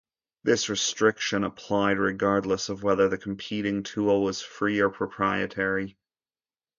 This restriction applied regardless of whether the competing tool was free or proprietary.